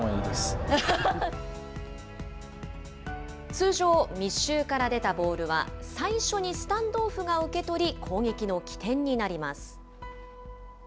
通常、密集から出たボールは、最初にスタンドオフが受け取り、攻撃の起点になります。